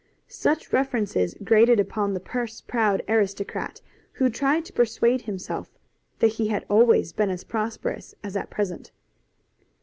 Such references grated upon the purse proud aristocrat, who tried to persuade himself that he had always been as prosperous as at present.